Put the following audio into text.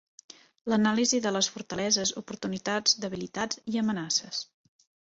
L'anàlisi de les fortaleses, oportunitats, debilitats i amenaces.